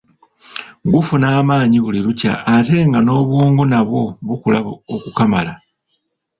Gufuna amaanyi buli lukya ate nga n'obwongo nabwo bukula okukamala.